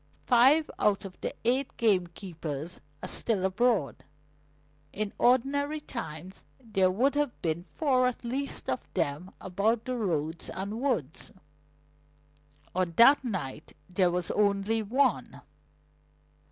Five out of the eight gamekeepers are still abroad. In ordinary times there would have been four at least of them about the roads and woods. On that night there was only one."